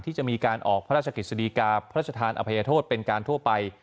ที่จะมีการออกพระราชกฤษฎีกาพระชธานอภัยโทษเป็นการทั่วไป